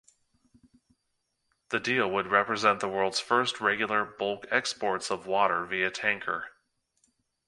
The deal would represent the world's first regular, bulk exports of water via tanker.